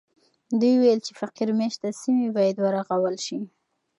دوی وویل چې فقیر مېشته سیمې باید ورغول سي.